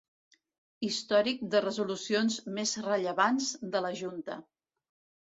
Històric de resolucions més rellevants de la Junta.